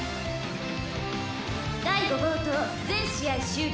「第伍号棟全試合終了」